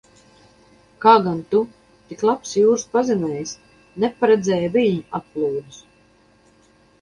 Kā gan tu, tik labs jūras pazinējs, neparedzēji viļņu atplūdus?